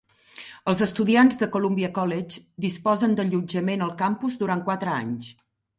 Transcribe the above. Els estudiants de Columbia College disposen d'allotjament al campus durant quatre anys.